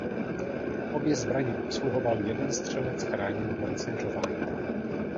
Obě zbraně obsluhoval jeden střelec chráněný pancéřováním.